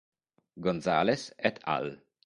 Gonzalez "et al".